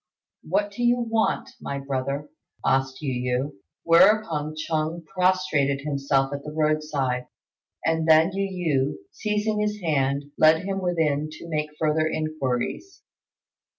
"What do you want, my brother?" asked Yu yü; whereupon Chung prostrated himself at the roadside, and then Yu yü, seizing his hand, led him within to make further inquiries.